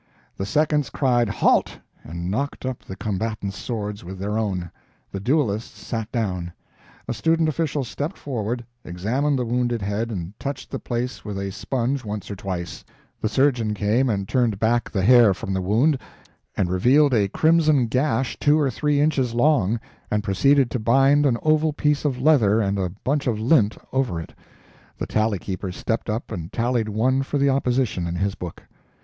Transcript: The seconds cried "Halt!" and knocked up the combatants' swords with their own. The duelists sat down; a student official stepped forward, examined the wounded head and touched the place with a sponge once or twice; the surgeon came and turned back the hair from the wound and revealed a crimson gash two or three inches long, and proceeded to bind an oval piece of leather and a bunch of lint over it; the tally keeper stepped up and tallied one for the opposition in his book.